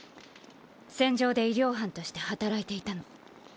戦場で医療班として働いていたの。